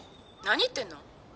「何言ってんの？